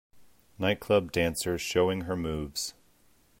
Nightclub dancer showing her moves.